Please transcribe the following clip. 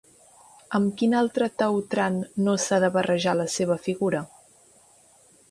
Amb quin altre Teutrant no s'ha de barrejar la seva figura?